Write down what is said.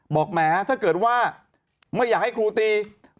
แหมถ้าเกิดว่าไม่อยากให้ครูตี